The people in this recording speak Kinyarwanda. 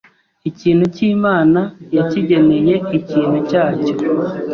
ikintu cyo Imana yakigeneye ikintu cyacyo.